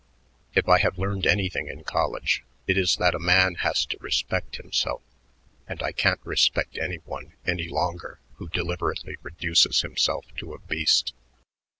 If I have learned anything in college, it is that a man has to respect himself, and I can't respect any one any longer who deliberately reduces himself to a beast.